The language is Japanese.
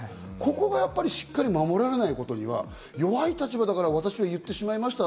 ここがしっかり守られないことには弱い立場だから私は言ってしまいました。